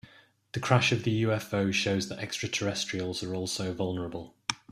The crash of the UFO shows that extraterrestrials are also vulnerable.